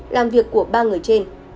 làm việc của ba người trên